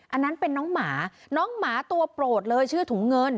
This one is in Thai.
อันนั้นเป็นน้องหมาน้องหมาตัวโปรดเลยชื่อถุงเงิน